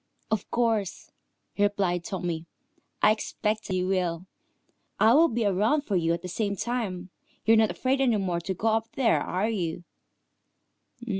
"Of course," replied Tommy. "I expected you would. I will be around for you at the same time. You're not afraid any more to go up there, are you?"